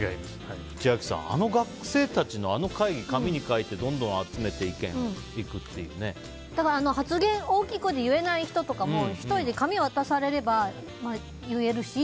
千秋さん、あの学生たちの紙に書いてだから発言大きい声で言えない人とかも１人で紙を渡されれば言えるし。